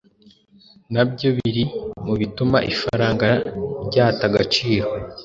na byo biri mu bituma ifaranga ryata agaciro.